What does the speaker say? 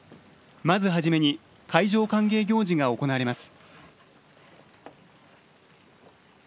まず初めに海上歓迎行事が行われます。